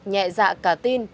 nhẹ dạ cả tin